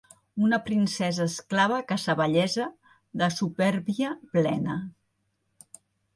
Una princesa esclava que sa bellesa, de supèrbia plena